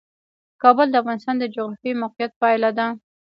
کابل د افغانستان د جغرافیایي موقیعت پایله ده.